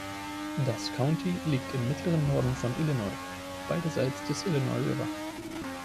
Das County liegt im mittleren Norden von Illinois beiderseits des Illinois River.